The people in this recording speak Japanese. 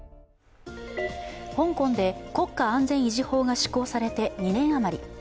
香港で国家安全維持法が施行されて２年余り。